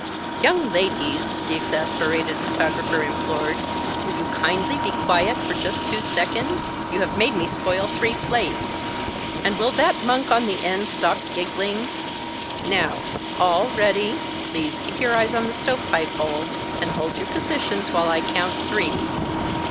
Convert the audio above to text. "Young ladies!" the exasperated photographer implored. "Will you kindly be quiet for just two seconds? You have made me spoil three plates. And will that monk on the end stop giggling? Now! All ready. Please keep your eyes on the stove pipe hole, and hold your positions while I count three.